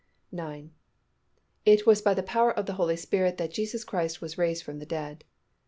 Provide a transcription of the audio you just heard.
9. _It was by the power of the Holy Spirit that Jesus Christ was raised from the dead.